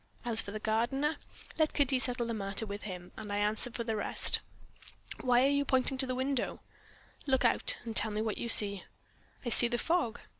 As for the gardener, let Kitty settle the matter with him, and I answer for the rest. Why are you pointing to the window?" "Look out, and tell me what you see." "I see the fog."